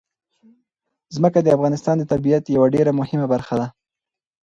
ځمکه د افغانستان د طبیعت یوه ډېره مهمه برخه ده.